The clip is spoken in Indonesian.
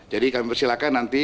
jadi kami persilakan nanti